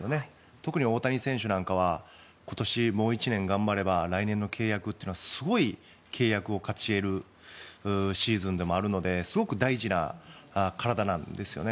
特に大谷選手なんかは今年、もう１年頑張れば来年の契約はすごい契約を勝ち得るシーズンでもあるのですごく大事な体なんですよね。